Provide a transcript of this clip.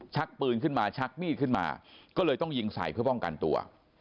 ปืนขึ้นมาชักมีดขึ้นมาก็เลยต้องยิงใส่เพื่อป้องกันตัว